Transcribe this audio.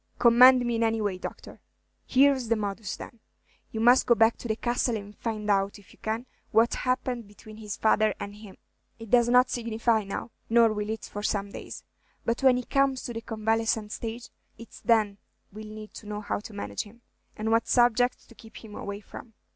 "Command me in any way, Doctor." "Here's the modus, then. You must go back to the Castle and find out, if you can, what happened between his father and him. It does not signify now, nor will it for some days; but when he comes to the convalescent stage, it's then we 'll need to know how to manage him, and what subjects to keep him away from.